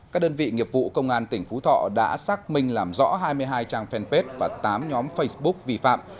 các đơn vị nghiệp vụ công an tỉnh phú thọ đã xác minh làm rõ hai mươi hai trang fanpage và tám nhóm facebook vi phạm